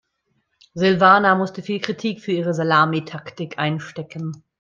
Silvana musste viel Kritik für ihre Salamitaktik einstecken.